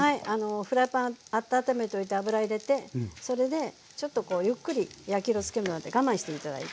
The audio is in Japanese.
フライパン温めておいて油入れてそれでちょっとゆっくり焼き色つくまで我慢して頂いて。